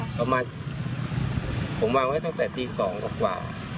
แล้วมันผมวางไว้ตั้งแต่ตี๒กว่า